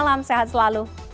selamat malam sehat selalu